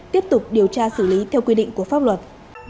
tiếp tục điều tra xử lý theo quy định của pháp luật